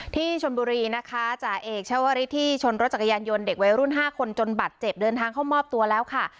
ที่ชนบุรีนะคะจ่าเอกชาวริสที่ชนรถจักรยานยนต์เด็กวัยรุ่น๕คนจนบัตรเจ็บเดินทางเข้ามอบตัวแล้วค่ะ